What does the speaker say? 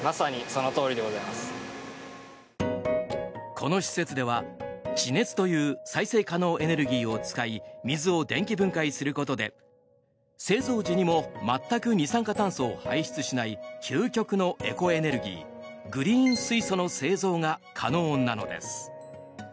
この施設では、地熱という再生可能エネルギーを使い水を電気分解することで製造時にも全く二酸化炭素を排出しない究極のエコエネルギーグリーン水素の製造が可能なのです。